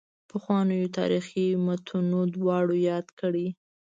پخوانیو تاریخي متونو دواړه یاد کړي.